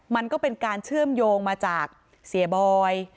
มันก็เป็นการเชื่อมโยงมาจากเสียบอย